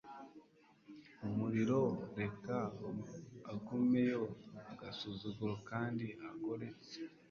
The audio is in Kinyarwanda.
umuriro reka agumeyo agasuzuguro kandi agoretse